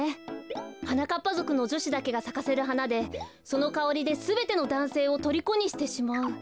はなかっぱぞくのじょしだけがさかせるはなでそのかおりですべてのだんせいをとりこにしてしまう。